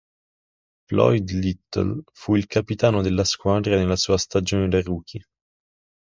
Floyd Little fu il capitano della squadra nella sua stagione da rookie.